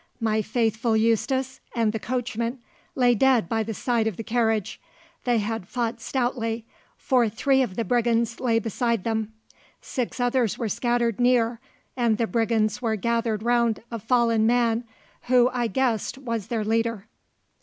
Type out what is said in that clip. My faithful Eustace and the coachman lay dead by the side of the carriage. They had fought stoutly, for three of the brigands lay beside them. Six others were scattered near, and the brigands were gathered round a fallen man, who I guessed was their leader.